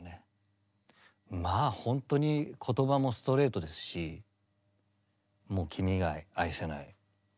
まあほんとに言葉もストレートですし「もう君以外愛せない」。